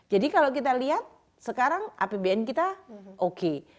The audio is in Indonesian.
jadi kalau kita lihat sekarang apbn kita oke